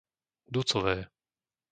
Ducové